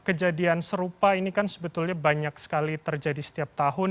kejadian serupa ini kan sebetulnya banyak sekali terjadi setiap tahun